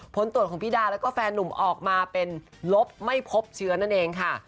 ผลตรวจของพี่ดาแล้วก็แฟนนุ่มออกมาเป็นลบไม่พบเชื้อนั่นเองค่ะ